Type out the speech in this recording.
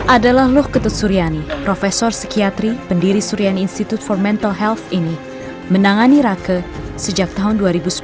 adalah loh ketut suryani profesor sekiatri pendiri suryani institute for mental health ini menangani rake sejak tahun dua ribu sepuluh